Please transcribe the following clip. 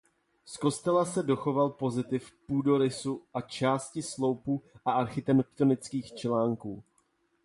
Z kostela se dochoval pozitiv půdorysu a části sloupů a architektonických článků.